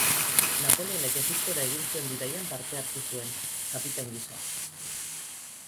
Napoleonek Egiptora egin zuen bidaian parte hartu zuen, kapitain gisa.